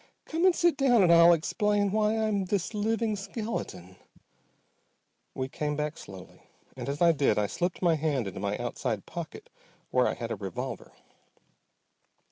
Come and sit down and I'll explain why I'm this living skeleton." We came back slowly, and as I did I slipped my hand into my outside pocket where I had a revolver.